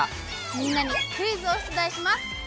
みんなにクイズを出題します。